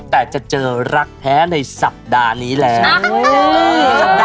แต่จะเจอรักแท้ในสัปดาห์นี้แล้ว